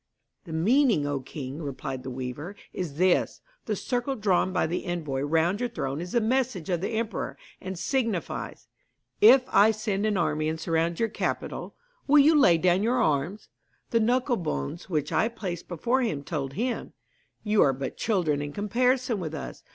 'The meaning, O king,' replied the weaver, 'is this: The circle drawn by the envoy round your throne is the message of the emperor, and signifies, "If I send an army and surround your capital, will you lay down your arms?" The knuckle bones which I placed before him told him, "You are but children in comparison with us.